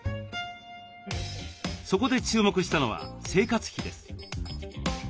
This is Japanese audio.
そこで注目したのは生活費です。